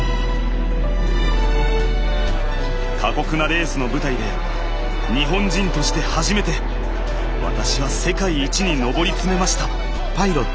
過酷なレースの舞台で日本人として初めて私は世界一に上り詰めました。